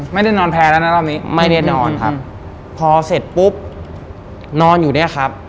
ไม่ได้นอนแพ้แล้วนะรอบนี้ไม่ได้นอนครับพอเสร็จปุ๊บนอนอยู่เนี่ยครับ